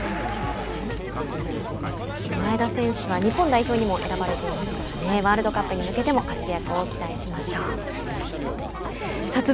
前田選手は日本代表にも選ばれていますからワールドカップに向けても活躍を期待しましょう。